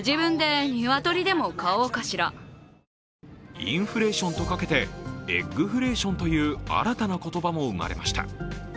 インフレーションとかけてエッグフレーションという新たな言葉も生まれました。